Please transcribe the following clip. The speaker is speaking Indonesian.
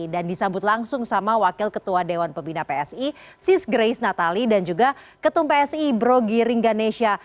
dan disambut langsung sama wakil ketua dewan pembina psi sis grace natali dan juga ketum psi brogy ringganesha